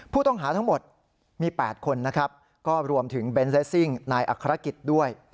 ผู้ต้องหาทั้งหมดมี๘คนนะครับก็รวมถึงเบนเลสซิ่งนายอัครกิจด้วย